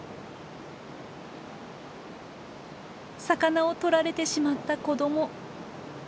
魚を取られてしまった子ども。